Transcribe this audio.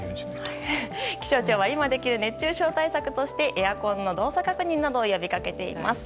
気象庁は今できる熱中症対策としてエアコンの動作確認などを呼びかけています。